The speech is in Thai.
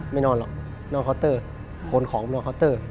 นอนหรอกนอนเคาน์เตอร์ขนของนอนเคาน์เตอร์